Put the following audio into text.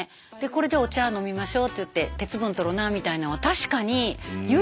これでお茶飲みましょうっていって鉄分とろなみたいなんは確かに言うてますわ。